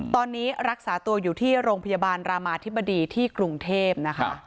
ตอนนี้รักษาตัวอยู่ที่โรงพยาบาลรามาธิบดีที่กรุงเทพนะคะ